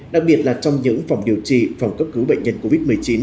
đặc biệt là trong những phòng điều trị phòng cấp cứu bệnh nhân covid một mươi chín